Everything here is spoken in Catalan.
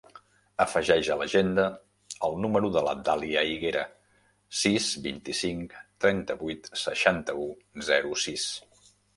Afegeix a l'agenda el número de la Dàlia Higuera: sis, vint-i-cinc, trenta-vuit, seixanta-u, zero, sis.